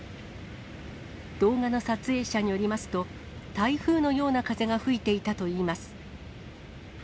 動画の撮影者によりますと、台風のような風が吹いていたといいます。